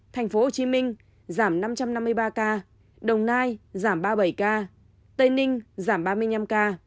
tp hcm giảm năm trăm năm mươi ba ca đồng nai giảm ba mươi bảy ca tây ninh giảm ba mươi năm ca